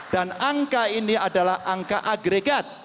dan angka ini adalah angka agregat